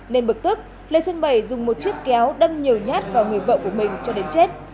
nên bực tức lê xuân bảy dùng một chiếc kéo đâm nhiều nhát vào người vợ của mình cho đến chết